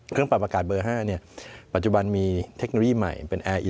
เครื่องปรับอากาศเบอร์๕ปัจจุบันมีเทคโนโลยีใหม่